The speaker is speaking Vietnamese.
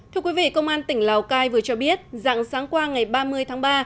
thưa quý vị công an tỉnh lào cai vừa cho biết dạng sáng qua ngày ba mươi tháng ba